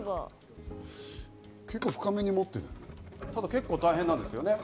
結構大変なんですよね。